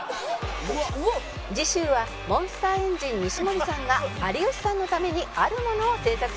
次週はモンスターエンジン西森さんが有吉さんのためにあるものを制作します